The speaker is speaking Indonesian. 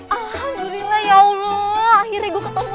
alhamdulillah ya allah akhirnya ketemu